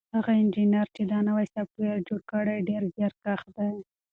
هغه انجنیر چې دا نوی سافټویر یې جوړ کړی ډېر زیارکښ دی.